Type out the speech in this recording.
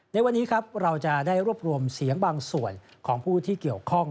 ในวันนี้ครับเราจะได้รวบรวมเสียงบางส่วนของผู้ที่เกี่ยวข้อง